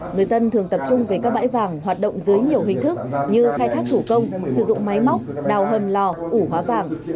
người dân thường tập trung về các bãi vàng hoạt động dưới nhiều hình thức như khai thác thủ công sử dụng máy móc đào hầm lò ủ hóa vàng